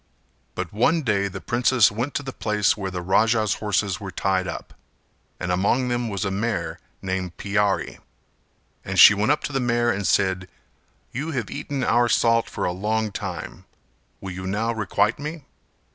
But one day the princess went to the place where the Raja's horses were tied up and among them was a mare named Piyari and she went up to the mare and said "You have eaten our salt for a long time, will you now requite me?"